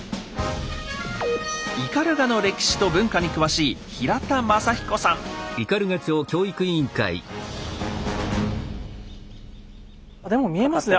斑鳩の歴史と文化に詳しいでも見えますね。